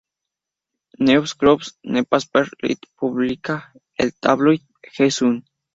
News Group Newspapers Ltd publica el tabloide "The Sun".